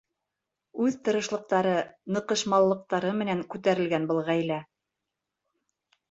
Үҙ тырышлыҡтары, ныҡышмаллыҡтары менән күтәрелгән был ғаилә.